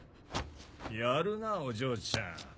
やるなお嬢ちゃん。